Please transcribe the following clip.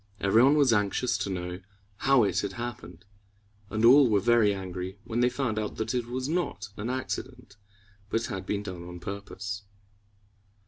Every one was anxious to know how it had happened; and all were very angry when they found out that it was not an accident, but had been done on purpose.